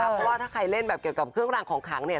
เพราะว่าถ้าใครเล่นแบบเกี่ยวกับเครื่องรางของขังเนี่ย